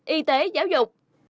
y tế giáo dục